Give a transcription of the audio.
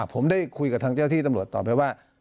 ผมได้คุยกับทางเจ้าที่ตำรวจต่อไปว่า